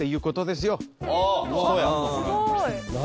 すごい。